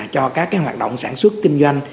cho các cái hoạt động sản xuất kinh doanh